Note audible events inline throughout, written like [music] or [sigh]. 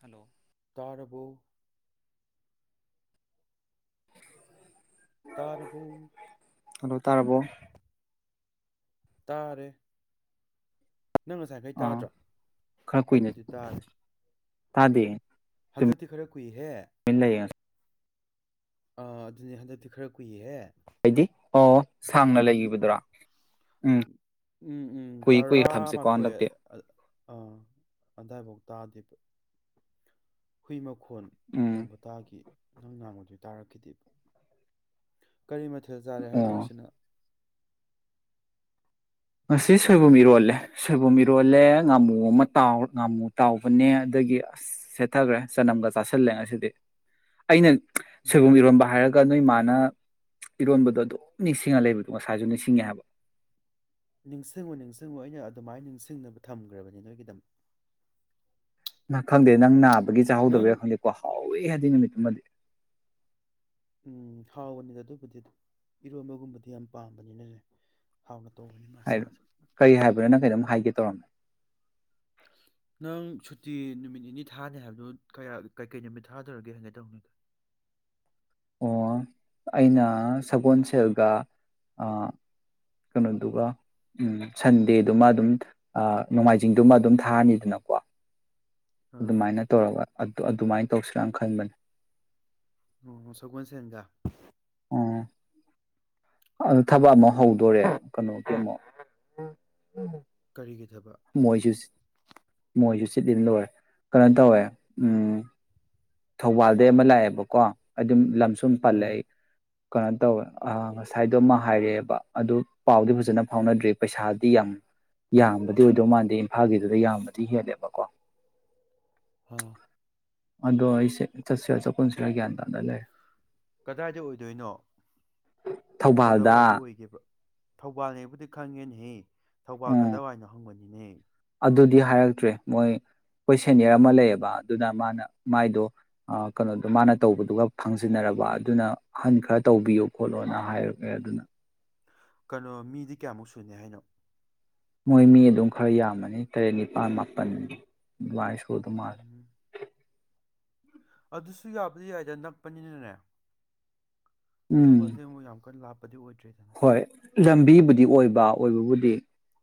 Hello ꯇꯥꯔꯕꯣ ꯇꯥꯔꯕꫭ hello ꯇꯥꯔꯕꯣ ꯇꯥꯔꯦ ꯅꯪ ꯉꯁꯥꯏꯈꯩ ꯑꯥ ꯇꯥꯗ꯭ꯔꯣ ꯑꯩꯕꯨꯗꯤ ꯇꯥꯔꯦ ꯇꯥꯗ ꯍꯟꯗꯗꯤ ꯈꯔ ꯍꯨꯏꯍꯦ ꯑꯥ ꯑꯗꯨꯅꯦ ꯍꯟꯗꯛꯇꯤ ꯈꯔ ꯀꯨꯏꯌꯦꯍꯦ ꯍꯥꯏꯗꯤ ꯑꯣ ꯁꯥꯡꯅ ꯂꯩꯈꯤꯕꯗꯨꯔꯥ ꯎꯝ ꯎꯝ ꯎꯝ ꯀꯨꯏ ꯀꯨꯏ ꯊꯝꯁꯤꯀꯣ ꯇꯔꯥꯃꯥꯊꯣꯏ ꯍꯟꯗꯛꯇꯤ ꯑꯥ ꯑꯗꯥꯏꯐꯥꯎ ꯇꯥꯗꯦ ꯍꯨꯏꯃꯛ ꯏꯪꯈꯣꯣꯟ ꯎꯝ ꯈꯣꯡꯕꯇꯥꯒꯤ ꯅꯪ ꯅꯥꯡꯕꯗꯨ ꯇꯥꯔꯛꯈꯤꯗꯦꯕ ꯀꯔꯤ ꯃꯊꯦꯜ ꯆꯥꯔꯦ ꯍꯥꯏꯅꯣ ꯑꯣ ꯁꯤꯅ ꯉꯁꯤ ꯁꯣꯏꯕꯨꯝ ꯏꯔꯣꯜꯂꯦ ꯁꯣꯏꯕꯨꯝ ꯏꯔꯣꯜꯂꯦ ꯉꯥꯃꯨ ꯑꯃ ꯉꯥꯃꯨ ꯇꯥꯎꯕꯅꯦ ꯑꯗꯒꯤ ꯑꯁ ꯆꯥꯈ꯭ꯔꯦ ꯆꯅꯝꯒ ꯆꯥꯁꯤꯜꯂꯦ ꯁꯤꯗꯤ ꯑꯩꯅ ꯁꯣꯏꯕꯨꯝ ꯎꯝ ꯏꯔꯣꯟꯝꯕ ꯍꯥꯏꯔꯒ ꯅꯣꯏ ꯏꯃꯥꯅ ꯏꯔꯣꯟꯕꯗꯣ ꯑꯗꯨꯝ ꯅꯤꯡꯁꯤꯡꯉ ꯂꯩꯕꯗꯣ ꯉꯁꯥꯏꯁꯨ ꯅꯤꯡꯁꯤꯡꯉꯦ ꯍꯥꯏꯕ ꯅꯤꯡꯁꯤꯡꯉꯨ ꯅꯤꯡꯁꯤꯡꯉꯨ ꯑꯩꯅ ꯑꯗꯨꯃꯥꯏꯅ ꯅꯤꯡꯁꯤꯡꯅꯕ ꯊꯝꯈ꯭ꯔꯕꯅꯤ ꯅꯣꯏꯒꯤꯗꯃꯛ ꯈꯪꯗꯦ ꯅꯪ ꯅꯥꯕ ꯒꯤ ꯅꯪ ꯆꯥꯍꯧꯗꯕꯔꯥ ꯈꯪꯗꯦꯀꯣ ꯍꯥꯎꯋꯦ ꯍꯥꯏꯗꯤ ꯅꯨꯃꯤꯠꯇꯃꯗꯤ ꯎꯝ ꯍꯥꯎꯕꯅꯤꯅ ꯑꯗꯨꯕꯨꯗꯤ ꯏꯔꯣꯟꯕꯒꯨꯝꯕꯗꯤ ꯌꯥꯝ ꯄꯥꯝꯕꯅꯤꯅꯅꯦꯦ ꯍꯥꯎꯅ ꯇꯧꯕꯅꯤ ꯃꯥ ꯍꯥꯏꯣ ꯁꯥꯁꯨ ꯀꯔꯤ ꯍꯥꯏꯕ꯭ꯔꯥꯅꯪ ꯀꯩꯅꯣꯝ ꯍꯥꯏꯒꯦ ꯇꯝ ꯅꯪ ꯁꯨꯇꯤ ꯅꯨꯃꯤꯠ ꯅꯤꯅꯤ ꯊꯥꯅꯤ ꯍꯥꯏꯕꯗꯨꯣ ꯀꯌꯥ ꯀꯩꯀꯩ ꯅꯨꯃꯤꯠ ꯊꯥꯗꯔꯒꯦ ꯍꯥꯏꯒꯦ ꯇꯧꯅꯤ ꯑꯣ ꯑꯩꯅ ꯁꯒꯣꯜꯁꯦꯜꯒ ꯀꯩꯅꯣꯗꯨꯒ ꯁꯟꯗꯦꯗꯨꯃ ꯑꯗꯨꯝ ꯅꯣꯡꯃꯥꯏꯖꯤꯡꯗꯨꯃ ꯑꯗꯨꯝ ꯊꯥꯔꯅꯤꯗꯅꯀꯣ ꯑ ꯑꯗꯨꯃꯥꯏꯅ ꯇꯧꯔꯒ ꯑꯗꯨ ꯑꯗꯨꯃꯥꯏꯅ ꯇꯧꯁꯤꯜꯂꯥꯅ ꯈꯟꯕꯅꯤ ꯎ ꯁꯒꯟ ꯁꯦꯟꯖ ꯑꯝ ꯑꯗꯨ ꯊꯕꯛ ꯑꯃ ꯍꯧꯗꯣꯔꯦ ꯀꯩꯅꯣꯒꯤ ꯑꯃꯨꯛ ꯀꯔꯤꯒꯤ ꯊꯕꯛ ꯃꯣꯏꯁꯨꯁ ꯃꯣꯏꯁꯨ ꯆꯤꯠꯂꯤꯅ ꯂꯣꯏꯦ ꯀꯩꯅꯣ ꯇꯧꯋꯦ ꯎꯝ ꯊꯧꯕꯥꯜꯗꯩ ꯑꯃ ꯂꯥꯛꯑꯦꯕꯀꯣ ꯑꯗꯨꯝ ꯂꯝ ꯇꯨꯝ ꯑ ꯄꯜꯏ ꯀꯩꯅꯣ ꯇꯧꯋꯦ ꯉꯁꯥꯏꯗꯣ ꯑꯃ ꯍꯥꯏꯔꯛꯑꯦꯕ ꯑꯗꯨ ꯄꯥꯎꯗꯤ ꯐꯖꯅ ꯐꯥꯎꯅꯗ꯭ꯔꯤ ꯄꯩꯁꯥꯗꯤ ꯌꯥꯝ ꯌꯥꯝꯕꯗꯤ ꯑꯣꯏꯗꯧ ꯃꯥꯟꯗꯦ ꯏꯝꯐꯥꯜꯒꯤꯗꯨꯗ ꯌꯥꯝꯕꯗꯤ ꯍꯦꯜꯂꯦꯕꯀꯣ ꯑꯥ [unintelligible] ꯗꯣ ꯑꯩꯁꯦ ꯆꯠꯁꯤꯇꯥ ꯆꯇꯀꯨꯃꯁꯤꯔꯥ ꯒꯌ꯭ꯥꯟ ꯀꯗꯥꯏꯗ ꯑꯣꯏꯗꯣꯏꯅꯣ? ꯀꯗꯥꯋꯥꯏꯗ ꯊꯧꯕꯥꯜꯗ ꯑꯣꯏꯒꯦꯕ? ꯊꯧꯕꯥꯜ ꯂꯩꯕꯨꯗꯤ ꯈꯪꯉꯦꯅ ꯍꯤ꯫ ꯊꯧꯕꯥꯜꯀꯗ ꯋꯥꯏꯅꯣ ꯍꯪꯕꯅꯤꯅꯦ꯫ ꯗꯤ ꯍꯥꯏꯔꯛꯇ꯭ꯔꯦ ꯃꯣꯏ ꯑꯩꯈꯣꯏ ꯁꯦꯅꯤꯌꯔ ꯑꯃ ꯂꯩꯌꯦꯕ ꯑꯗꯨꯅ ꯃꯥꯅ ꯃꯥꯏꯗꯣ ꯀꯩꯅꯣꯗꯣ ꯃꯥꯅ ꯇꯧꯕꯗꯨꯒ ꯐꯥꯡꯖꯤꯟꯅꯔꯕ ꯑꯗꯨꯅ ꯑꯍꯟ ꯈꯔ ꯇꯧꯕꯤꯌꯨ ꯈꯣꯠꯂꯣꯅ ꯍꯥꯏꯔꯛꯑꯦ ꯑꯗꯨꯅ ꯀꯩꯅꯣ ꯃꯤꯗꯤ ꯀꯌꯥꯃꯨꯛ ꯁꯨꯅꯤ ꯍꯥꯏꯅꯣ? ꯃꯣꯏ ꯃꯤ ꯑꯗꯨꯝ ꯈꯔ ꯌꯥꯝꯕꯅꯤ ꯇꯔꯦꯠ ꯅꯤꯄꯥꯜ ꯃꯥꯄꯜ ꯑꯗꯨꯃꯥꯏ [unintelligible] ꯎꯝ ꯑꯗꯨꯁꯨ ꯌꯥꯕꯗꯤ ꯌꯥꯏꯗ ꯅꯛꯄꯅꯤꯅꯅꯦ꯫ [unintelligible] ꯎꯝ ꯑꯃꯨꯛ ꯌꯥꯝ ꯀꯟꯅꯥ ꯂꯥꯞ ꯑꯗꯨ ꯑꯣꯏ ꯍꯣꯏ꯫ ꯂꯝꯕꯤꯕꯨꯗꯤ ꯑꯣꯏꯕ ꯑꯣꯏꯕꯕꯨꯗꯤ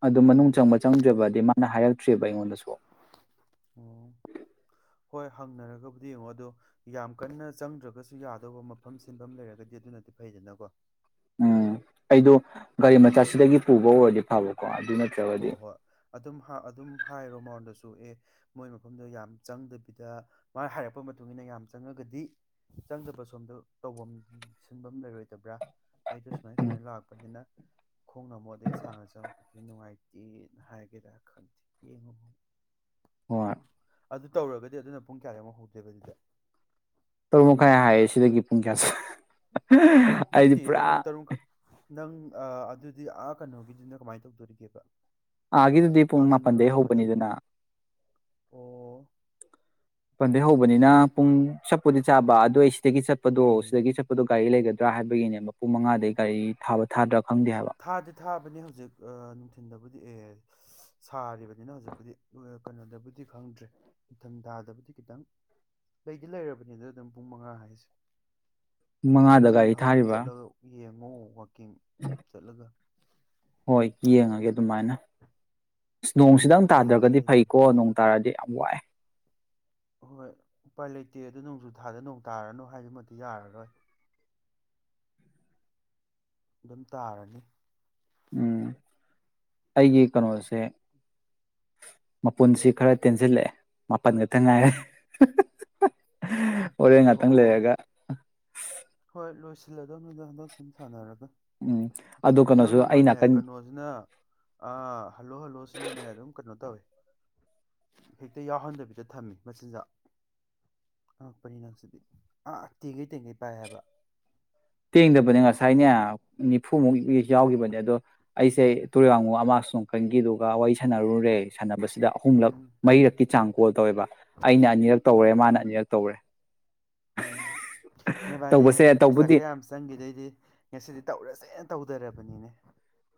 ꯑꯗꯨ ꯃꯅꯨꯡ ꯎꯝ ꯆꯪꯕ ꯆꯪꯗ꯭ꯔꯦꯕꯗꯤ ꯃꯥ ꯅ ꯍꯥꯢꯔꯛ ꯇꯔ꯭ꯤꯕꯥ ꯑꯩꯉꯣꯟꯗ ꯑꯣ꯫ ꯍꯣꯏ ꯍꯪꯅꯔꯒꯕꯨꯗꯤ ꯌꯦꯡꯉꯣ ꯑꯗꯣ ꯌꯥꯝ ꯀꯟꯅ ꯆꯪꯗ꯭ꯔꯒꯁꯨ ꯌꯥꯗꯧꯕ ꯃꯐꯝ ꯁꯤꯟꯐꯝ ꯂꯩꯔꯒꯗꯤ ꯑꯗꯨꯅꯗꯤ ꯐꯩꯗꯅꯀꯣ꯫ ꯎꯝ ꯑꯩꯗꯣ ꯒꯥꯔꯤ ꯃꯆꯥꯁꯤꯗꯒꯤ ꯄꯨꯕ ꯑꯣꯏꯔꯗꯤ ꯐꯕꯀꯣ ꯑꯗꯨꯅ ꯍꯣ ꯍꯣꯏ ꯑꯗꯨꯝ ꯑꯗꯨꯝ ꯍꯥꯏꯔꯣ ꯃꯉꯣꯟꯗꯁꯨ ꯑꯦ ꯃꯣꯏ ꯃꯐꯝꯗꯣ ꯌꯥꯝ ꯆꯪꯗꯕꯤꯗ ꯃꯥꯅ ꯍꯥꯏꯔꯛꯄ ꯃꯇꯨꯡ ꯏꯟꯅ ꯌꯥꯝ ꯆꯪꯉꯒꯗꯤ ꯆꯪꯗꯕ ꯁꯣꯝꯗ ꯇꯧꯐꯝ ꯁꯤꯟꯐꯝ ꯂꯩꯔꯣꯏꯗꯕ꯭ꯔꯥ? ꯑꯩꯗ ꯁꯨꯃꯥꯏ- ꯁꯨꯃꯥꯏꯅ ꯂꯥꯛꯄꯅꯤꯅ ꯫ ꯈꯣꯡꯅ ꯑꯃꯨꯛ ꯑꯗꯒꯤ ꯁꯥꯡꯅ ꯆꯉꯛꯄꯖꯤ ꯅꯨꯡꯉꯥꯏ ꯇꯦꯅ ꯍꯤꯏꯒꯦꯔꯥ ꯈꯪꯇꯦ ꯌꯦꯡꯉꯣ ꯫ ꯍꯣꯏ꯫ ꯑꯗꯨ ꯇꯧꯔꯒꯗꯤ ꯑꯗꯨꯅ ꯄꯨꯡ ꯀꯌꯥ ꯑꯃꯨꯛ ꯍꯧꯗꯣꯏꯕ ꯑꯗꯨꯗꯤ ꯫ ꯇꯔꯨꯛ ꯃꯈꯥꯏ ꯍꯥꯏꯌꯦ ꯁꯤꯗꯒꯤ ꯄꯨꯡ ꯀꯌꯥꯁ ꯅꯠꯇꯤꯌꯦ ꯑꯗꯨ ꯇꯔꯨꯛ ꯈꯥ ꯅꯪ ꯑꯗꯨꯗꯤ ꯑꯥ ꯀꯩꯅꯣꯒꯤꯗꯨꯅ ꯀꯃꯥꯏꯅ ꯇꯧꯗꯣꯔꯤꯒꯦꯕ? ꯑꯥꯒꯤꯗꯨꯗꯤ ꯄꯨꯡ ꯃꯥꯄꯟꯗꯩ ꯐꯥꯡꯖꯤꯟꯅꯔꯣꯏꯗ꯭ꯔꯣ ꯃꯇꯝ ꯍꯧꯕꯅꯤꯗꯅ꯫ ꯑꯣ꯫ ꯄꯟꯗꯦꯏ ꯍꯧꯕꯅꯤꯅ ꯄꯨꯡ ꯆꯞꯄꯨꯗꯤ ꯆꯥꯕ ꯑꯗꯨꯏꯁꯤ ꯁꯤꯗꯒꯤ ꯆꯠꯄꯗꯨꯣ ꯎꯝ ꯁꯤꯗꯒꯤ ꯆꯠꯄꯗꯣ ꯒꯥꯔꯤ ꯂꯩ ꯍꯥꯏꯕꯒꯤꯅꯦ ꯃꯄꯨꯡ ꯃꯉꯥꯗꯗꯒꯤ ꯒꯥꯔꯤ ꯊꯥꯕ - ꯊꯥꯗ ꯊꯥꯗꯤ - ꯊꯥꯕꯅꯤ ꯍꯧꯖꯤꯛ ꯑꯥ ꯅꯨꯡꯊꯤꯟꯗꯕꯨꯗꯤ ꯑꯦ ꯁꯥꯔꯤꯕꯅꯤꯅ ꯍꯧꯖꯤꯛꯄꯨꯗꯤ ꯀꯩꯅꯣꯗꯕꯨꯗꯤ ꯈꯪꯗ꯭ꯔꯦ ꯅꯤꯡꯊꯝ ꯊꯥꯗꯕꯨꯗꯤ ꯈꯤꯇꯪ ꯂꯩꯗꯤ ꯂꯩꯔꯕꯅꯤꯗ ꯑꯗꯨꯝ ꯄꯨꯡ ꯃꯉꯥ ꯍꯥꯏꯁꯦ꯫ ꯄꯨꯡ ꯍꯌꯦꯡ ꯈꯔ ꯃꯉꯥꯗ ꯒꯥꯔꯤ ꯉꯟꯅ ꯍꯧꯒꯠꯂ ꯊꯥꯔꯤꯕ ꯆꯠꯂꯒ ꯌꯦꯡ ꯅꯣ ꯋꯥꯀꯤꯡ ꯆꯠꯂꯒ ꯍꯣꯏ ꯌꯦꯡꯉꯒꯦ ꯑꯗꯨꯃꯥꯏꯅ ꯁ ꯅꯣꯡꯁꯤꯗꯪ ꯂꯩꯗꯤ ꯇꯥꯗ꯭ꯔꯒꯗꯤ ꯂꯩꯕꯅꯤ ꯐꯩꯀꯣ ꯅꯣꯡ ꯇꯥꯔꯗꯤ ꯌꯥꯝ ꯋꯥꯏ ꯍꯣꯏ ꯎꯄꯥꯏ ꯂꯩꯇꯦ ꯑꯗꯨ ꯅꯣꯡꯖꯨ ꯊꯥꯗ ꯅꯣꯡ ꯇꯥꯔꯅꯣ ꯍꯥꯏꯗꯨꯃꯗꯤ ꯌꯥꯔꯔꯣꯏ ꯑꯗꯨꯝ ꯇꯥꯔꯅꯤ ꯎꯝ ꯑꯩꯒꯤ ꯀꯅꯣꯁꯦ ꯃꯄꯨꯟꯁꯤ ꯈꯔ ꯇꯦꯟꯁꯜꯂꯛꯑꯦ ꯃꯥꯄꯟ ꯈꯛꯇꯪ ꯉꯥꯏꯔꯦ ꯍꯣꯔꯦꯟ ꯑꯣ ꯉꯥꯛꯇꯪ ꯂꯩꯔꯒ ꯍꯣꯏ ꯂꯣꯏꯁꯤꯜꯂꯗꯝꯅꯤꯗ ꯍꯟꯗꯛꯁꯤꯝ ꯁꯥꯟꯅꯔꯒ ꯎꯝ ꯑꯗꯣ ꯅꯪ ꯀꯩꯅꯣꯁꯨ ꯑꯩ ꯑꯃꯅꯦ ꯅꯥꯀꯟ ꯀꯅꯣꯁꯤꯅ ꯑ ꯍꯜꯂꯣ ꯍꯜꯂꯣꯁꯤꯅꯅꯦ ꯑꯗꯨꯝ ꯀꯩꯅꯣ ꯇꯧꯋꯤ ꯍꯦꯛꯇ ꯌꯥꯎꯍꯟꯗꯕꯤꯗ ꯊꯝꯃꯤ ꯃꯆꯤꯟꯖꯥꯛ ꯑꯪꯉꯛꯄꯅꯤ ꯅꯪꯁꯤꯗꯤ ꯑꯥ ꯇꯦꯡꯒꯩ ꯇꯦꯡꯒꯩ ꯄꯥꯏ ꯍꯥꯏꯕ ꯇꯦꯡꯗꯕꯅꯦ ꯑꯩ ꯉꯁꯥꯏꯅꯦ ꯅꯤꯐꯨꯃꯨꯛ ꯌꯥꯎꯒꯤꯕꯅꯤ ꯑꯗꯣ ꯑꯩꯁꯦ [unintelligible] ꯀꯟꯒꯤꯗꯨꯒ ꯋꯥꯔꯤ ꯁꯥꯟꯅꯔꯨꯔꯦ ꯁꯥꯟꯅꯕꯁ ꯗ ꯑꯍꯨꯝꯂꯛ ꯎꯝ ꯃꯔꯤꯔꯛꯇꯤ ꯆꯥꯡ ꯀꯣꯜ ꯇꯧꯋꯦꯕ ꯑꯩꯅ ꯑꯅꯤꯔꯛ ꯇꯧꯔꯦ ꯃꯥꯅ ꯑꯅꯤꯔꯛ ꯇꯧꯔꯦ ꯅꯣꯏꯕꯥꯅꯤ ꯇꯧꯕꯁꯦ ꯄꯩꯁꯥ ꯇꯧꯕꯨꯗꯤ ꯈꯔ ꯌꯥꯝ ꯆꯪꯈꯤꯗꯩꯗꯤ ꯉꯁꯤꯗꯤ ꯇꯧꯔꯦꯁꯦ [unintelligible] ꯇꯧꯗꯔꯕꯅꯤꯅꯦ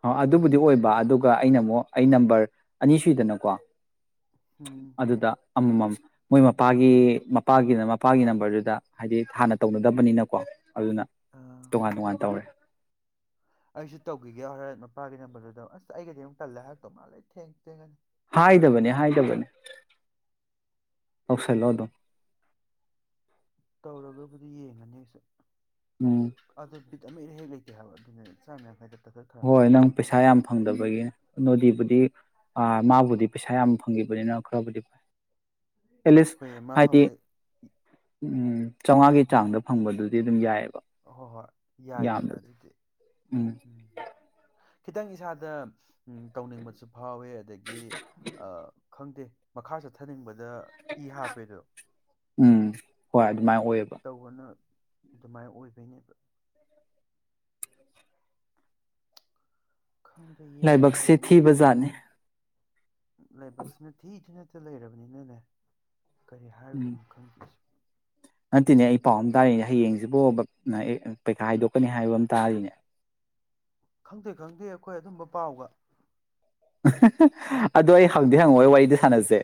ꯑ ꯑꯗꯨꯕꯨꯗꯤ ꯑꯣꯏꯕ ꯑꯗꯨꯒ ꯑꯩꯅ ꯑꯃꯨꯛ ꯑꯩ ꯅꯝꯕꯔ ꯑꯅꯤ ꯁꯨꯏꯗꯅꯀꯣ ꯎꯝ ꯑꯗꯨꯗ ꯑꯃꯃꯝ ꯃꯣꯏ ꯃꯄꯥꯒꯤ ꯃꯄꯥꯒꯤꯅ ꯃꯄꯥꯒꯤ ꯅꯝꯕꯔꯗꯨꯗ ꯍꯥꯏꯗꯤ ꯍꯥꯟꯅ ꯇꯧꯅꯗꯕꯅꯤꯅꯀꯣ ꯑꯗꯨꯅ ꯑꯥ ꯇꯣꯉꯥꯟ ꯇꯣꯉꯥꯟ ꯇꯧꯔꯦ ꯑꯩꯁꯨ ꯇꯧꯈꯤꯒꯦ ꯍꯣ ꯃꯄꯥꯒꯤ ꯅꯝꯕꯔꯗꯨꯗ ꯑꯁ ꯑꯩꯒꯗꯤ ꯑꯃꯨꯛ ꯇꯜꯂꯦ ꯍꯥꯏꯥꯛꯛꯇꯧ ꯃꯥꯜꯂꯦ ꯊꯦꯡ ꯊꯦꯡꯉꯅꯤ ꯍꯥꯏꯗꯕꯅꯦ ꯍꯥꯏꯗꯕꯅꯦ ꯇꯧꯁꯜꯂꯣ ꯑꯗꯨꯝ ꯇꯧꯔꯒꯕꯨꯗꯤ ꯌꯦꯡꯉꯅꯤ ꯑꯩꯁꯨ ꯎꯝ ꯑꯗ ꯕꯤꯠ ꯑꯃ ꯏꯔꯩ ꯍꯦ ꯂꯩꯇꯦ ꯍꯥꯏꯕ ꯑꯗꯨꯅꯦ ꯆꯥꯝꯌꯥꯡꯈꯩꯗ ꯍꯣꯏ ꯅꯪ ꯄꯩꯁꯥ ꯌꯥꯝ ꯐꯪꯗꯕꯒꯤ ꯅꯣꯗꯤꯕꯨꯗꯤ ꯑ ꯃꯥꯕꯨꯗꯤ ꯄꯩꯁꯥ ꯌꯥꯝ ꯐꯪꯒꯤꯕꯅꯤꯅ ꯈꯔꯕꯨꯗꯤ ꯐꯩ ꯑꯦꯠꯂꯤꯁ ꯍꯣꯏ ꯃꯥ ꯍꯥꯏꯗꯤ ꯍꯧꯖꯤꯛ ꯎꯝ ꯆꯧꯉꯥꯒꯤ ꯆꯥꯡꯗ ꯐꯪꯕꯗꯨꯗꯤ ꯑꯗꯨꯝ ꯌꯥꯏꯌꯦꯕ ꯍꯣꯏ ꯍꯣꯏ ꯌꯥꯏꯗꯅ ꯑꯗꯨꯗꯤ ꯎꯝ ꯈꯤꯇꯪ ꯏꯁꯥꯗ ꯇꯧꯅꯤꯡꯕꯁꯨ ꯐꯥꯎꯋꯦ ꯑꯗꯒꯤ ꯑꯥ ꯈꯪꯗꯦ ꯃꯈꯥ ꯆꯠꯊꯅꯤꯡꯕꯅꯤ ꯗ ꯏ ꯍꯥꯞꯄꯦꯗꯣ ꯎꯝ ꯍꯣꯏ ꯑꯗꯨꯃꯥꯏꯅ ꯑꯣꯏꯌꯦꯕ ꯇꯧꯕꯅ ꯑꯗꯨꯃꯥꯏꯅ ꯑꯣꯏꯕꯩꯅꯦꯕ ꯈꯪꯗꯦ ꯌꯦꯡꯕ ꯂꯥꯏꯕꯛꯁꯤ ꯍꯥꯏꯗꯨꯅꯤ ꯊꯤꯕ ꯖꯥꯠꯅꯤ ꯂꯥꯏꯕꯛꯁꯤꯅ ꯊꯤ ꯊꯤꯅꯇ ꯂꯩꯔꯕꯅꯤꯅꯅꯦ ꯀꯔꯤ ꯍꯥꯏꯕꯗꯣ ꯎꯝ ꯈꯪꯗꯁꯤ ꯅꯠꯇꯦꯅꯦ ꯑꯩ ꯄꯥꯎ ꯑꯃ ꯇꯥꯔꯤꯅꯦ ꯍꯌꯦꯡꯁꯤꯕꯨ ꯄꯩꯈꯥ ꯍꯥꯏꯗꯣꯛꯀꯅꯤ ꯍꯥꯏꯕ ꯑꯃ ꯇꯥꯔꯤꯅꯦ ꯈꯪꯗꯦ ꯈꯪꯗꯦ ꯑꯩꯈꯣꯏ ꯑꯗꯨꯝꯕ ꯄꯥꯎꯒ ꯑꯗꯣ ꯑꯩ ꯍꯪꯗꯤꯦ ꯍꯪꯉꯛꯣꯏ ꯋꯥꯔꯤꯗ ꯁꯥꯟꯅꯁꯦ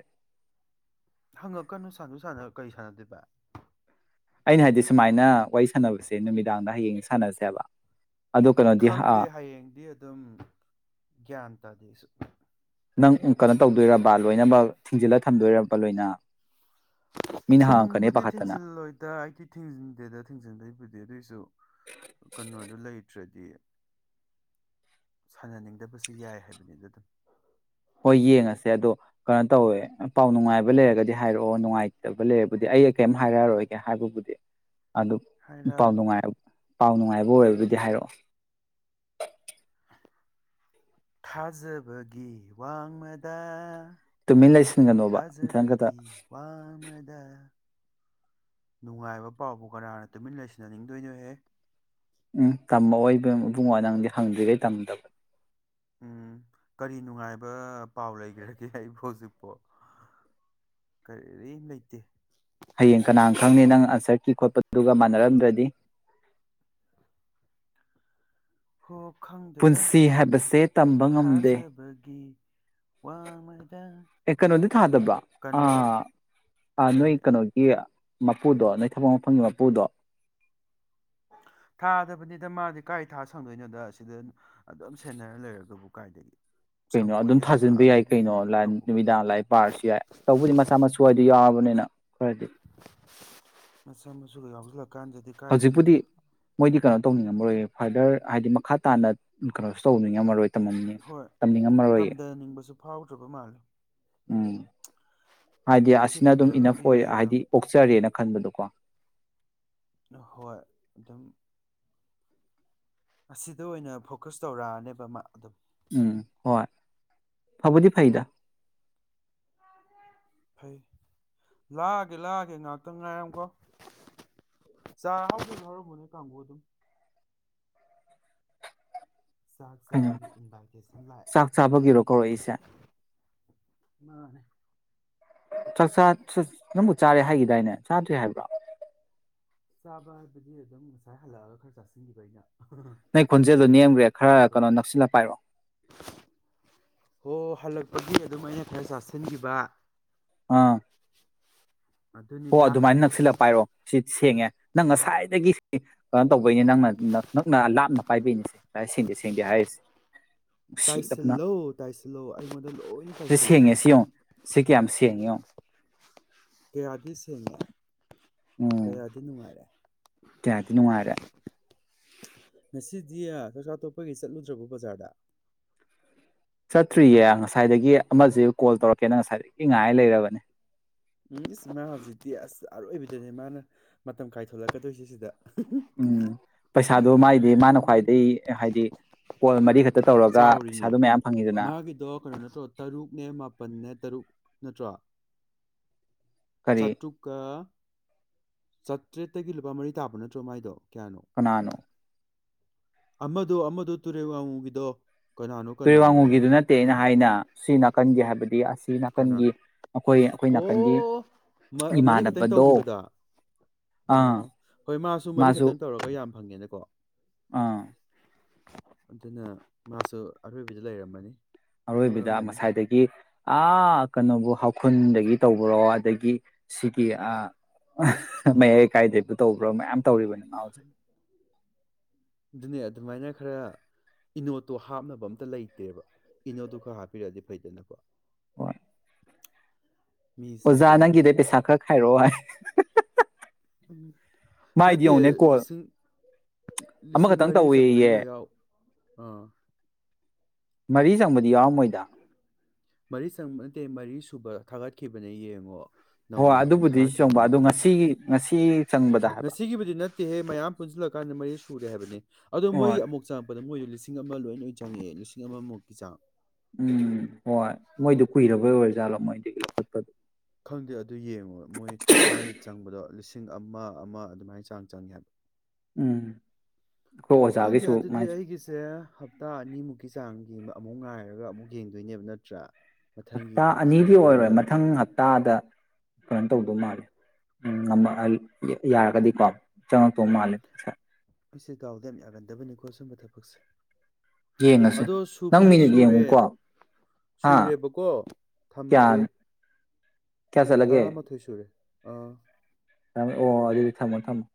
ꯍꯪꯉꯛꯀꯅꯨ ꯁꯥꯟꯅ ꯁꯥꯟꯅ ꯀꯔꯤ ꯁꯥꯟꯅꯗꯦꯕ ꯑꯩꯅ ꯍꯥꯏꯗꯤ ꯁꯨꯃꯥꯏꯅ ꯋꯥꯔꯤ ꯁꯥꯟꯅꯕꯁꯦ ꯅꯨꯃꯤꯗꯥꯡꯗ ꯍꯌꯦꯡ ꯁꯥꯟꯅꯁꯦꯕ ꯑꯗꯣ ꯀꯩꯅꯣꯗꯤ ꯈꯪꯗꯦ ꯍꯌꯦꯡꯗꯤ ꯑꯗꯨꯝ ꯒ꯭ꯌꯥꯟ ꯇꯥꯗꯦꯁꯨ ꯅꯪ ꯀꯩꯅꯣ ꯇꯧꯗꯣꯏꯔꯕ ꯂꯣꯏꯅꯃꯛ ꯊꯤꯡꯖꯤꯜꯂ ꯊꯝꯗꯣꯏꯔꯕ ꯂꯣꯏꯅ ꯃꯤꯅ ꯍꯪꯉꯛꯀꯅꯤ ꯊꯤꯡꯕꯨꯗꯤ ꯄꯥꯈꯠꯇꯅ ꯊꯤꯡꯖꯤꯜꯂꯣꯏꯗ ꯑꯩꯗꯤ ꯊꯤꯡꯖꯤꯟꯗꯦꯗ ꯊꯤꯡꯖꯤꯟꯗꯩꯕꯨꯗꯤ ꯑꯗꯨꯏꯁꯨ ꯀꯩꯅꯣꯗꯨ ꯂꯩꯇ꯭ꯔꯗꯤ ꯁꯥꯟꯅꯅꯤꯡꯗꯕꯁꯨ ꯌꯥꯏ ꯍꯥꯏꯕꯅꯤꯗ ꯑꯗꯨꯝ ꯍꯣꯏ ꯌꯦꯡꯉꯁꯦ ꯑꯗꯣ ꯀꯩꯅꯣ ꯇꯧꯋꯦ ꯄꯥꯎ ꯅꯨꯡꯉꯥꯏꯕ ꯂꯩꯔꯒꯗꯤ ꯍꯥꯏꯔꯛꯑꯣ ꯅꯨꯡꯉꯥꯏꯇꯕ ꯂꯩꯔꯕꯨꯗꯤ ꯑꯩ ꯀꯔꯤꯝ ꯍꯥꯏꯔꯛꯑꯔꯣꯏꯒꯦ ꯍꯥꯏꯕꯕꯨꯗꯤ ꯑꯗꯨ ꯄꯥꯎ ꯍꯥꯏꯔꯥꯟ ꯅꯨꯡꯉꯥꯏ ꯄꯥꯎ ꯅꯨꯡꯉꯥꯏꯕ ꯑꯣꯏꯗꯨꯗꯤ ꯍꯥꯏꯔꯛꯑꯣ ꯊꯥꯖꯕꯒꯤ ꯋꯥꯡꯃꯗ ꯇꯨꯃꯤꯟ ꯂꯩꯁꯤꯟꯒꯅꯣꯕ ꯃꯊꯪ ꯈꯛꯇ ꯊꯥꯖꯕꯒꯤ ꯋꯥꯃꯗ ꯅꯨꯡꯉꯥꯏꯕ ꯄꯥꯎꯕꯨ ꯀꯅꯥꯅ ꯇꯨꯃꯤꯟ ꯂꯩꯁꯤꯟꯅꯅꯤꯡꯗꯣꯏꯅꯣꯍꯦ ꯎꯝ ꯇꯝꯃꯛꯑꯣꯏꯕ ꯃꯕꯨꯡ ꯋꯥ ꯅꯪꯗꯤ ꯍꯪꯗ꯭ꯔꯤꯈꯩ ꯇꯝꯗꯕ ꯎꯝ ꯀꯔꯤ ꯅꯨꯡꯉꯥꯏꯕ ꯄꯥꯎ ꯂꯩꯈ꯭ꯔꯒꯦ ꯑꯩꯕꯨ ꯍꯧꯖꯤꯛꯐꯥꯎ ꯀꯔꯤꯔꯤ ꯂꯩꯇꯦ ꯍꯌꯦꯡ ꯀꯅꯥꯅ ꯈꯪꯅꯤ ꯅꯪ ꯑꯟꯁꯔ ꯀ ꯈꯣꯠꯄꯗꯨꯒ ꯃꯥꯟꯅꯔꯝꯗ꯭ꯔꯗꯤ ꯍ ꯄꯨꯟꯁꯤ ꯍꯥꯏꯕꯁꯦ ꯇꯝꯕ ꯉꯝꯗꯦ ꯊꯥꯖꯕꯒꯤ ꯋꯥꯡꯃꯗ ꯑꯦ ꯀꯩꯅꯣꯗꯤ ꯊꯥꯗꯕ꯭ꯔꯥ ꯀꯩꯅꯣ ꯑ ꯅꯣꯏ ꯀꯔꯤ ꯀꯩꯅꯣꯒꯤ ꯃꯄꯨꯗꯣ ꯅꯩ ꯊꯕ ꯃꯐꯝꯒꯤ ꯃꯄꯨꯗꯣ ꯊꯥꯗꯕꯅꯤꯗ ꯃꯥꯗꯤ ꯀꯥꯏ ꯊꯥ ꯁꯪꯗꯣꯏꯅꯣꯗ ꯁꯤꯗ ꯑꯗꯨꯝ ꯁꯦꯟꯅꯔ ꯂꯩꯔꯒꯕꯨ ꯀꯥꯏꯗꯒꯤ ꯀꯩꯅꯣ ꯑꯗꯨꯝ ꯁꯪꯄꯣꯟꯇꯦꯗ ꯊꯥ ꯊꯥꯖꯤꯟꯕ ꯌꯥꯏ ꯑꯗꯨꯒꯤ ꯀꯩꯅꯣ ꯇꯧꯕꯒ ꯅꯨꯃꯤꯗꯥꯡ ꯂꯥꯏ ꯄꯥꯔꯁꯨ ꯌꯥꯏ ꯇꯧꯕꯗꯤ ꯃꯆꯥ ꯃꯁꯨ ꯍꯥꯏꯏꯗ ꯌꯥꯎꯔꯕꯅꯤꯅ ꯍꯣꯏ ꯑꯗꯨ ꯃꯆꯥꯥ ꯃꯁꯨ ꯀꯁꯨ ꯂꯥꯛ ꯀꯥꯟꯗꯗꯤ ꯍꯧꯖꯤꯛꯄꯨꯗꯤ ꯀꯥꯏꯗꯦꯗ ꯃꯣꯏꯗꯤ ꯀꯩꯅꯣ ꯇꯧꯅꯤꯡꯉꯝꯃꯔꯣꯏ ꯐꯥꯗꯔ ꯍꯥꯏꯗꯤ ꯃꯈꯥ ꯇꯥꯅ ꯀꯩꯅꯣꯁꯨ ꯇꯧꯅꯤꯡꯉꯝꯃꯔꯣꯏ ꯇꯝꯃꯝꯅꯤ ꯍꯣꯏ ꯇꯝꯅꯤꯡꯉꯝꯃꯔꯣꯏꯌꯦ ꯇꯝꯊꯅꯤꯡꯕꯁꯨ ꯐꯥꯎꯗ꯭ꯔꯕ ꯃꯥꯜꯂꯦ ꯎꯝ ꯍꯥꯏꯗꯤ ꯅꯨꯄꯤ ꯑꯁꯤꯅ ꯑꯗꯨꯝ ꯊꯤꯔꯝꯗ꯭ꯔꯕꯨꯗꯤ ꯏꯅꯐ ꯑꯣꯏꯔꯦ ꯑꯗꯨꯝ ꯍꯥꯏꯗꯤ ꯑꯣꯛꯆꯔꯦꯅ ꯈꯟꯕꯗꯣꯀꯣ ꯍꯣꯏ ꯑꯗꯨꯝ ꯑꯁꯤꯗ ꯑꯣꯏꯅ ꯐꯣꯀꯁ ꯇꯧꯔꯛꯑꯅꯦꯕ ꯃꯥ ꯑꯗꯨꯝ ꯎꯝ ꯍꯣꯏ ꯐꯥꯕꯗꯤ ꯐꯩꯗ ꯐꯩ ꯂꯥꯛꯑꯒꯦ ꯂꯥꯛꯑꯒꯦ ꯉꯥꯏꯥꯛꯇꯪ ꯉꯥꯏꯔꯝꯀꯣ ꯆꯥꯛ ꯍꯥꯎ ꯍꯧꯔꯃꯅꯦ ꯀꯥꯡꯕꯨ ꯑꯗꯨꯝ ꯆꯥꯛ ꯀꯩꯅꯣ ꯆꯥꯕꯒꯤ ꯏꯟꯚꯥꯏꯇꯦꯁꯟ ꯂꯥꯛꯑꯦ ꯆꯥꯛ ꯆꯥꯕꯒꯤꯔꯣ ꯀꯧꯔꯛꯏꯁꯦ ꯍ ꯆꯥꯛꯆꯥ ꯅꯪꯕꯨ ꯆꯥꯔꯦ ꯍꯥꯏꯈꯤꯗꯥꯏꯅꯦ ꯆꯥꯗ꯭ꯔꯦ ꯍꯥꯏꯕ꯭ꯔꯥ ꯆꯥꯕ ꯍꯥꯏꯕꯗꯤ ꯑꯗꯨꯝ ꯉꯁꯥꯏ ꯍꯜꯂꯛꯑꯒ ꯈꯔ ꯆꯥꯁꯤꯟꯈꯤꯕ ꯑꯩꯅ ꯅꯪ ꯈꯣꯟꯖꯦꯜꯗꯨꯣ ꯅꯦꯝꯈ꯭ꯔꯦ ꯈꯔ ꯀꯩꯅꯣ ꯍꯜꯂꯛꯄꯒꯤ ꯅꯛꯁꯤꯜꯂꯒꯄꯥꯏꯔꯣ ꯍꯣ ꯍꯜꯂꯛꯄꯒꯤ ꯑꯗꯨꯝ ꯑꯩꯅ ꯈꯔ ꯆꯥꯁꯤꯟꯈꯤꯕ ꯑꯥ ꯍꯣ ꯑꯗꯨꯅꯤꯗ ꯑꯗꯨꯃꯥꯏꯅ ꯅꯛꯁꯤꯜꯂꯛꯄ ꯍꯥꯏꯔꯣ ꯁꯤ ꯁꯦꯡꯉꯦ ꯅꯪ ꯉꯁꯥꯏꯗꯒꯤ ꯀꯩꯅꯣ ꯇꯧꯕꯩꯅꯦ ꯅꯪꯅ ꯅꯪꯅ ꯂꯥꯞꯅ ꯄꯥꯏꯕꯩꯅꯤꯁꯦ ꯁꯦꯡꯗꯦ ꯁꯦꯡꯗꯦ ꯍꯥꯏꯔꯤꯁꯦ ꯅꯨꯡ ꯁꯤ ꯇꯞꯅ ꯇꯥꯏꯁꯤꯜꯂꯣ ꯇꯥꯏꯁꯤꯜꯂꯣ ꯑꯩꯉꯣꯟꯗ ꯂꯣꯏꯅ ꯁꯤꯗ ꯇꯥꯏꯁꯤꯜꯂꯣ ꯁꯦꯡꯉꯦ ꯁꯤ ꯌꯦꯡꯉꯣ ꯁꯤ ꯀ ꯌꯥꯝꯝꯁꯤꯦꯉꯣ ꯀꯌꯥꯖꯤꯁ ꯀ ꯎꯝ ꯀ ꯑꯗꯨ ꯅꯨꯅꯨꯡ ꯃꯥꯔꯦ ꯀꯌꯥꯗꯤ ꯅꯨꯡꯉꯥꯏꯔꯦ ꯉꯁꯤꯗꯤ ꯆꯥꯛꯆꯥ ꯇꯣꯞꯄꯒꯤ ꯆꯠꯂꯨꯗ꯭ꯔꯕꯣ ꯕꯖꯥꯔꯗ ꯆꯠꯇ꯭ꯔꯤꯌꯦ ꯉꯁꯥꯏꯗꯒꯤ ꯑꯃꯁꯁꯤ ꯀꯣꯜ ꯇꯧꯔꯛꯀꯦꯅ ꯉꯁꯥꯏ ꯏ ꯉꯥꯏ ꯂꯩꯔꯕꯅꯦ ꯎꯝ ꯃꯥ ꯍꯧꯖꯤꯛꯇꯤ ꯑꯁ ꯑꯔꯣꯏꯕꯤꯗꯅꯦ ꯃꯥꯅ ꯃꯇꯝ ꯀꯥꯏꯊꯂꯛꯀꯗꯣꯏꯁꯦ ꯁꯤꯗ ꯎꯝ ꯄꯩꯁꯥꯗꯣ ꯃꯥꯥꯏꯗꯤ ꯃꯥꯅ ꯎꯝ, ꯈ꯭ꯋꯥꯏꯗꯒꯤꯩ ꯍꯥꯏꯗꯤ ꯀꯣꯜ ꯃꯔꯤ ꯈꯛꯇ ꯇꯧꯔꯒ ꯆꯥꯎꯔꯤꯅꯦ ꯄꯩꯁꯥꯗꯣ ꯃꯌꯥꯝ ꯐꯪꯉꯤꯗꯅ ꯃꯥꯒꯤꯗꯣ ꯀꯩꯅꯣ ꯅꯠꯇ꯭ꯔꯣ ꯇꯔꯨꯛꯅꯦ ꯃꯥꯄꯜꯅꯦ ꯅꯠꯇ꯭ꯔꯣ ꯀꯔꯤ ꯆꯠꯇꯨꯀ ꯆꯥꯇ꯭ꯔꯦꯠꯇꯒꯤ ꯂꯨꯄꯥ ꯃꯔꯤ ꯇꯥꯕ ꯅꯠꯇ꯭ꯔꯣ ꯃꯥꯏꯗꯣ ꯀꯅꯥꯅꯣ ꯑꯃꯗꯨ ꯑꯃꯗꯨ ꯇꯨꯔꯦ ꯋꯥꯨꯕꯤꯗꯣ ꯇꯨꯣꯏ ꯋꯥꯡꯉꯨꯒꯤꯗꯨ ꯅꯠꯇꯦ ꯑꯩꯅ ꯍꯥꯏꯅ ꯁꯤ ꯅꯥꯀꯟꯒꯦ ꯍꯥꯏꯕꯗꯤ ꯑꯁ ꯀꯅꯥ ꯑꯣ ꯃꯔꯤꯈꯛꯇꯪ ꯏꯃꯥꯟꯅꯕꯗꯣ ꯇꯧꯈꯤꯕꯗ ꯑꯥ ꯑꯣ ꯍꯣꯏ ꯃꯥꯁꯨ ꯃꯔꯤ ꯈꯛꯇꯪ ꯇꯧꯔꯒ ꯌꯥ ꯌꯥꯝꯌꯥꯝ ꯐꯪꯒꯦꯅꯀꯣ ꯑꯥ ꯑꯗꯨꯅ ꯃꯥꯁꯨ ꯑꯔꯣꯏꯕꯤꯗ ꯂꯩꯔꯝꯃꯅꯤ ꯑꯔꯣꯏꯕꯗ ꯃꯩꯍꯧꯔꯝꯕꯅꯤ ꯉꯁꯥꯏꯗꯒꯤ ꯀꯩꯅꯣꯕꯨ ꯍꯧꯈꯨꯟꯗꯒꯤ ꯇꯧꯕ꯭ꯔꯣ ꯑꯗꯒꯤ ꯁꯤꯒꯤ ꯃꯌꯥꯏꯀꯥꯏꯗꯒꯤꯕꯨ ꯇꯧꯕ꯭ꯔꯣ ꯃꯌꯥꯝ ꯇꯧꯔꯤꯣꯅꯤ ꯃꯥ ꯑꯥꯎꯖꯩ ꯑꯗꯨꯅꯦ ꯑꯗꯨꯃꯥꯏꯅ ꯈꯔ ꯏꯅꯣꯠꯇꯣ ꯍꯥꯞꯅꯕ ꯑꯝꯇ ꯂꯩꯇꯦꯕ ꯏꯅꯣꯠꯇꯨ ꯈꯔ ꯍꯥꯞꯄꯤꯔꯛꯑꯗꯤ ꯐꯩꯗꯅꯀꯣ ꯍꯣꯏ ꯃꯤꯁꯦ ꯑꯣꯖꯥ ꯑꯗꯨꯝ ꯅꯪꯒꯤꯗꯩ ꯄꯩꯁꯥ ꯈꯔ ꯈꯥꯏꯔꯛꯑꯣ ꯍꯥꯏ ꯎꯝ ꯃꯥꯏꯗꯤ ꯅꯠꯇꯦ ꯌꯦꯡꯉꯨꯅꯦ ꯀꯣꯜ ꯂꯤꯁꯤꯡ ꯂꯤꯁꯤꯡ ꯑꯃꯈꯛꯇꯪ ꯃꯔꯤ ꯆꯪꯕ ꯇꯧꯋꯦꯌꯦ ꯃꯤꯒ ꯌꯥꯎ ꯑꯥ ꯃꯔꯤ ꯆꯪꯕꯗꯤ ꯌꯥꯎꯔꯝꯃꯣꯏꯗ ꯃꯔꯤ ꯆꯪꯕ ꯅꯠꯇꯦ ꯃꯔꯤ ꯁꯨꯕ ꯊꯥꯒꯠꯈꯤꯕꯅꯦ ꯌꯦꯡꯉꯣ ꯍꯣꯏ ꯅꯧꯅ ꯍꯧꯖꯤꯛ ꯑꯗꯨꯕꯨꯗꯤ ꯊꯥꯔꯛꯈꯤꯕꯅꯦ ꯆꯣꯡꯕ ꯑꯗꯣ ꯅꯨꯄꯤ ꯉꯁꯤꯒꯤ ꯉꯁꯤ ꯆꯪꯕꯗ ꯍꯥꯏꯕ ꯉꯁꯤꯒꯤꯕꯨꯗꯤ ꯅꯠꯇꯦꯍꯦ ꯃꯌꯥꯝ ꯄꯨꯟꯁꯤꯜꯂꯀꯥꯟꯗ ꯃꯔꯤ ꯁꯨꯔꯦ ꯍꯥꯏꯕꯅꯤ ꯑꯣ ꯃꯣꯏꯒꯤ ꯍꯣꯏ ꯑꯃꯨꯛ ꯆꯪꯉꯛꯄꯗ ꯃꯣꯏꯁꯨ ꯂꯤꯁꯤꯡ ꯂꯤꯁꯤꯡ ꯑꯃ ꯂꯣꯏ ꯂ ꯆꯪꯉꯛꯑꯦ ꯂꯤꯁꯤꯡ ꯑꯃꯃꯨꯛꯀꯤ ꯆꯥꯡ ꯎꯝ ꯍꯣꯏ ꯃꯣꯏꯗꯣ ꯀꯨꯏꯔꯕꯩ ꯑꯣꯏꯔ ꯖꯥꯠꯂꯣ ꯃꯣꯏꯗ ꯈꯪꯗꯦ ꯑꯗꯨ ꯌꯦꯡꯉꯣ ꯃꯣꯏ ꯃꯥꯒꯤ ꯆꯪꯕꯗꯣ ꯂꯤꯁꯤꯡ ꯑꯃ ꯑꯃ ꯑꯗꯨꯃꯥꯏꯅ ꯆꯥꯡ ꯆꯪꯉꯦ꯫ ꯍꯥꯏꯕ ꯎꯝ ꯑꯩꯈꯣꯏ ꯈꯪꯗꯦ ꯑꯣꯖꯥꯒꯤꯁꯨ ꯑꯗꯨꯗꯤ ꯃꯥꯏꯁꯨ ꯑꯩꯒꯤꯁꯦ ꯍꯞꯇꯥ ꯑꯅꯤꯃꯨꯛꯀꯤ ꯆꯥꯡ ꯌꯦꯡꯕ ꯑꯃꯨꯛ ꯉꯥꯏꯔꯒ ꯑꯃꯨꯛ ꯌꯦꯡꯗꯣꯏꯅꯦꯕ ꯅꯠꯇ꯭ꯔꯥ ꯃꯊꯪꯒꯤ ꯍꯞꯇꯥ ꯑꯅꯤꯗꯤ ꯍꯥꯞꯆꯤꯟꯕꯩ ꯑꯣꯏꯔꯣꯏ ꯇꯔꯟꯗ ꯑꯃꯨꯛ ꯃꯊꯪ ꯍꯞꯇꯥꯗ ꯀꯩꯅꯣ ꯇꯧꯗꯧ ꯃꯥꯜꯂꯦ ꯎꯝ ꯌꯥꯔꯒꯗꯤꯀꯣ ꯆꯪꯉꯛꯇꯣ ꯃꯥꯜꯂꯦ ꯑꯩꯁꯦ ꯗꯥꯎꯗ ꯌꯥꯝ ꯌꯥꯒꯟꯗꯕꯅꯤꯀꯣ ꯁꯨꯝꯕ ꯊꯕꯛꯁꯦ ꯌꯦꯡꯉꯁꯦ ꯑꯗꯣ ꯅꯪ ꯁꯨꯕꯗꯤ ꯃꯤꯅꯤꯠ ꯁꯨꯔꯦ ꯌꯦꯡꯉꯨꯀꯣ ꯍꯥ ꯁꯨꯔꯦꯕꯀꯣ ꯀꯌꯥ ꯊꯝꯃꯒꯦ ꯀꯌꯥ ꯆꯠꯂꯒꯦ ꯇꯔꯥꯃꯥꯊꯣꯏ ꯁꯨꯔꯦ ꯑꯥ ꯑꯣ ꯑꯗꯨꯗꯤ ꯊꯝꯃꯣ ꯊꯝꯃꯣ